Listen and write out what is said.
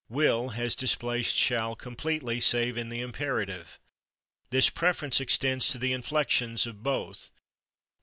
/Will/ has displaced /shall/ completely, save in the imperative. This preference extends to the inflections of both.